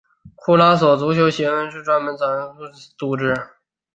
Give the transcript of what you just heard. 库拉索足球协会是专门管辖库拉索足球事务的组织。